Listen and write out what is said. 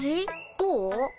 どう？